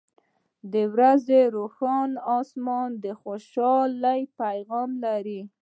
• د ورځې روښانه آسمان د خوشحالۍ پیغام لري.